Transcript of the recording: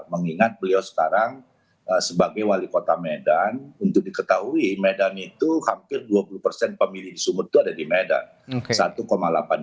mengingat beliau sekarang sebagai wali kota medan untuk diketahui medan itu hampir dua puluh persen pemilih di sumut itu ada di medan